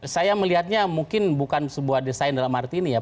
saya melihatnya mungkin bukan sebuah desain dalam arti ini ya